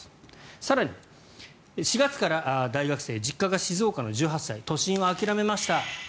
更に、４月から大学生実家が静岡の１８歳都心は諦めました。